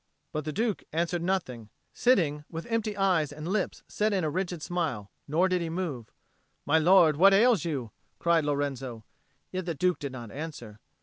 But the Duke answered nothing, sitting with empty eyes and lips set in a rigid smile; nor did he move. "My lord, what ails you?" cried Lorenzo. Yet the Duke did not answer.